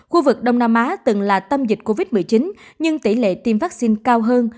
khu vực đông nam á từng là tâm dịch covid một mươi chín nhưng tỉ lệ tiêm vắc xin cao hơn